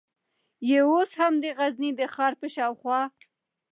یې اوس هم د غزني د ښار په شاوخوا